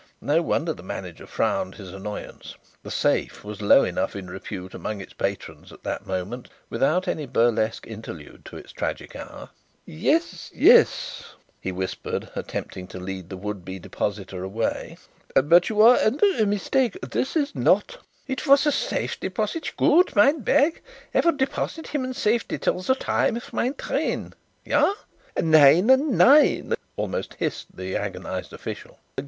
No wonder the manager frowned his annoyance. "The Safe" was in low enough repute among its patrons at that moment without any burlesque interlude to its tragic hour. "Yes, yes," he whispered, attempting to lead the would be depositor away, "but you are under a mistake. This is not " "It was a safety deposit? Goot. Mine bag I would deposit him in safety till the time of mine train. Ja?" "Nein, nein!" almost hissed the agonized official.